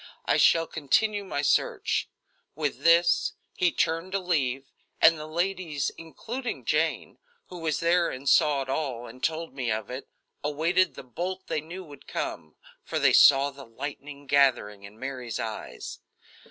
I shall continue my search." With this, he turned to leave, and the ladies, including Jane, who was there and saw it all and told me of it, awaited the bolt they knew would come, for they saw the lightning gathering in Mary's eyes.